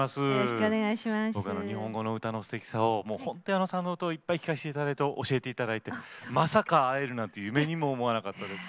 日本語の歌のすてきさをほんと矢野さんの歌をいっぱい聴かせていただいて教えていただいてまさか会えるなんて夢にも思わなかったです。